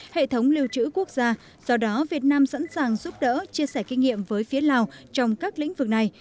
hệ thống lưu trữ quốc gia do đó việt nam sẵn sàng giúp đỡ chia sẻ kinh nghiệm với phía lào trong các lĩnh vực này